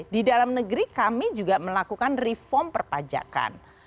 di dalam negeri kami juga melakukan reform perpajakan